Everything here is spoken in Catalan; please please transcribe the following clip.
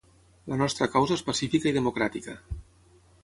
La nostra causa és pacífica i democràtica.